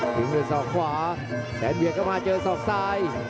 จึงด้วยสอกขวาแสนเบียนกลับมาเจอสอกซ้าย